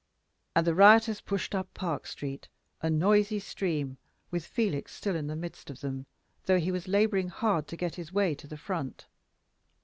And the rioters pushed up Park Street, a noisy stream, with Felix still in the midst of them, though he was laboring hard to get his way to the front.